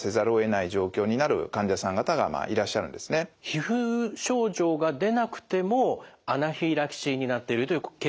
皮膚症状が出なくてもアナフィラキシーになっているというケースがあるということなんですね。